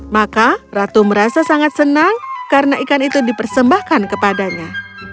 maka ratu merasa sangat senang karena ikan itu dipersembahkan kepadanya